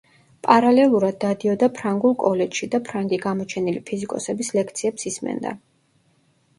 პარალელურად დადიოდა „ფრანგულ კოლეჯში“ და ფრანგი გამოჩენილი ფიზიკოსების ლექციებს ისმენდა.